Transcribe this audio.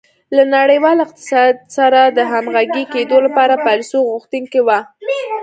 له نړیوال اقتصاد سره د همغږي کېدو لپاره پالیسیو غوښتونکې وه.